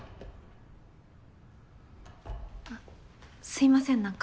あっすいません何か。